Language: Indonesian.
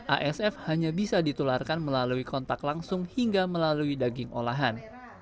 asf hanya bisa ditularkan melalui kontak langsung hingga melalui daging olahan